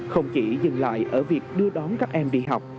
không chỉ dừng lại ở việc đưa đón các em đi học